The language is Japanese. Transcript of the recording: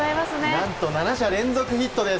何と７者連続ヒットです。